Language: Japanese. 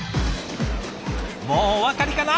もうお分かりかな？